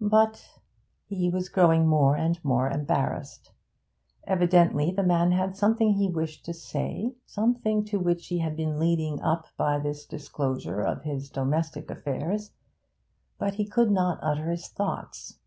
But ' He was growing more and more embarrassed. Evidently the man had something he wished to say, something to which he had been leading up by this disclosure of his domestic affairs; but he could not utter his thoughts.